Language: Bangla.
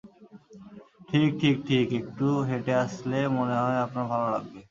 ঠিক, ঠিক, ঠিক একটু হেঁটে আসলে মনে হয় আমার ভালো লাগবে।